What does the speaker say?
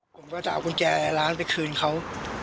ผมก็จะเอากุญแจร้านไปคืนเขา